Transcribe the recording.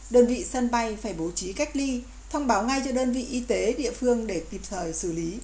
đơn vị sân bay phải bố trí cách ly thông báo ngay cho đơn vị y tế địa phương để kịp thời xử lý